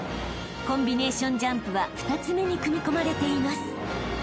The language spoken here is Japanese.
［コンビネーションジャンプは２つ目に組み込まれています］